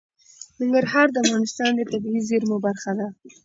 ننګرهار د افغانستان د طبیعي زیرمو برخه ده.